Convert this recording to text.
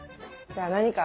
じゃあ何か。